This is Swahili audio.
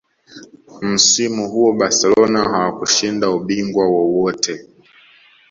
msimu huo barcelona hawakushinda ubingwa wowote